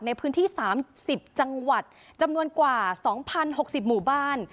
ในพื้นที่๓๐จังหวัดจำนวนกว่า๒๐๖๐หมู่บ้าน